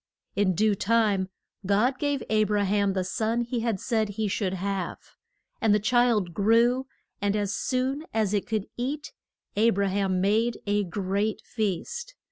In due time God gave A bra ham the son he had said he should have. And the child grew, and as soon as it could eat, A bra ham made a great feast.